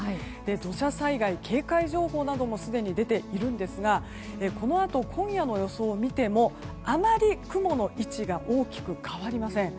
土砂災害警戒情報などもすでに出ているんですがこのあと今夜の予想を見てもあまり雲の位置が大きく変わりません。